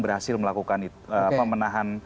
berhasil melakukan menahan